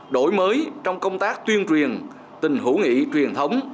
đổi mới trong công tác tuyên truyền tình hữu nghị truyền thống